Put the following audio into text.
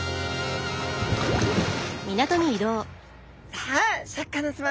さあシャーク香音さま